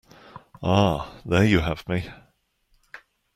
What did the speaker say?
Ah, there you have me.